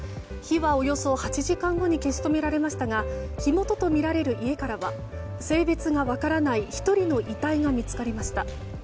火はおよそ８時間後に消し止められましたが火元とみられる家からは性別が分からない１人の遺体が見つかりました。